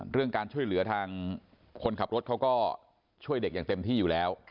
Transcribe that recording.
เรื่องการช่วยเหลือทางคนขับรถเขาก็ช่วยเด็กอย่างเต็มที่อยู่แล้ว